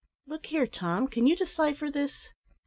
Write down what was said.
Look here, Tom, can you decipher this?